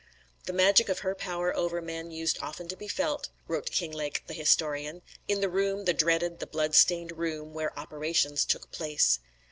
"The magic of her power over men used often to be felt," wrote Kinglake the historian, "in the room the dreaded, the blood stained room where 'operations' took place.